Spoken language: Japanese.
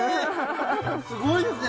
すごいですね。